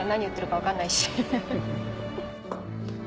言ってるか分かんないし。